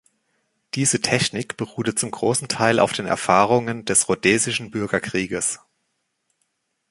Diese Technik beruhte zum großen Teil auf den Erfahrungen des rhodesischen Bürgerkrieges.